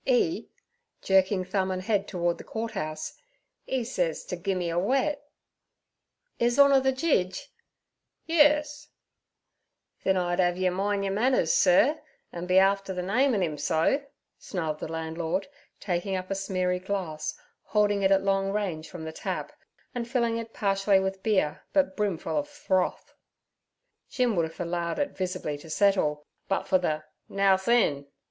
"E' jerking thumb and head toward the Court House, "e sez t' gim me a wet.' 'Hiz Honour the Jidge?' 'Yerz.' 'Thin I'd 'ave ye min' yer manners, sir, an' be afther namin' 'im so' snarled the landlord, taking up a smeary glass, holding it at long range from the tap, and filling it partially with beer but brimful of froth. Jim would have allowed it visibly to settle but for the 'Now thin!'